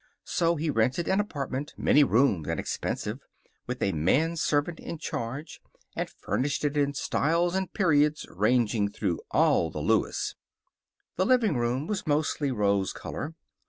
So he rented an apartment, many roomed and expensive, with a manservant in charge, and furnished it in styles and periods ranging through all the Louis. The living room was mostly rose color.